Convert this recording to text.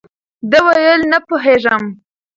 ده ویل، نه پوهېږم.